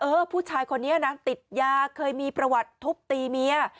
ผู้ชายคนนี้นะติดยาเคยมีประวัติทุบตีเมีย